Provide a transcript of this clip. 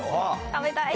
食べたい。